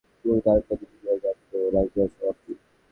শুধু আরেকটা দান মিলে যাক, তো রাজিয়ার সমাপ্তি।